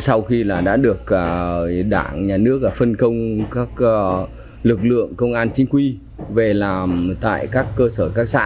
sau khi đã được đảng nhà nước phân công các lực lượng công an chính quy về làm tại các cơ sở các xã